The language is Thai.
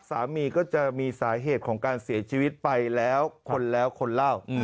สามีก็จะมีสาเหตุของการเสียชีวิตไปแล้วคนแล้วคนเล่า